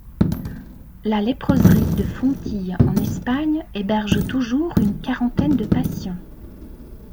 La léproserie de Fontilles en Espagne héberge toujours une quarantaine de patients.